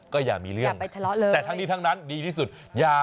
ก็อย่ามีเรื่องแต่ทั้งนี้ทั้งนั้นดีที่สุดอย่าไปทะเลาะเลย